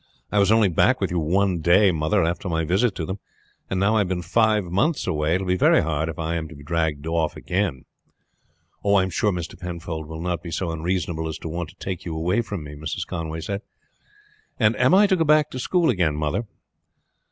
"I was only back with you one day, mother, after my visit to them, and now I have been five months away it will be very hard if I am to be dragged off again." "I am sure Mr. Penfold will not be so unreasonable as to want to take you away from me," Mrs. Conway said. "And am I to go back to school again, mother?"